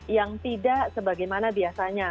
yang tidak sebagaimana dikaitkan